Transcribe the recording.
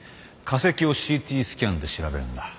化石をＣＴスキャンで調べるんだ。